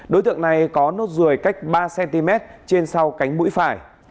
đối tượng này có nốt ruồi cách ba cm trên sau cánh mũi phải